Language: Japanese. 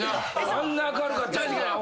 あんな明るかった子が。